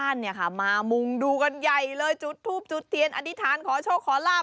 ชาวบ้านมามุงดูกันใหญ่เลยจุดภูมิจุดเทียดอธิษฐานขอโชคขอลาบ